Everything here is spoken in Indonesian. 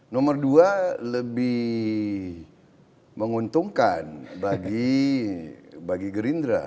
nomor dua lebih menguntungkan bagi gerindra